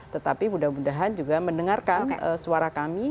tetapi mudah mudahan juga mendengarkan suara kami